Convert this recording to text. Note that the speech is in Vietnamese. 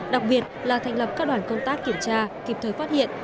đặc biệt là thành lập các đoàn công tác kiểm tra kịp thời phát hiện